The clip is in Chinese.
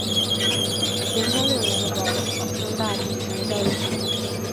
咸丰六年的保生大帝神轿一顶。